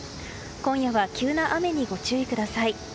今夜は急な雨にご注意ください。